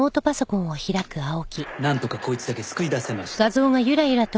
なんとかこいつだけ救い出せました。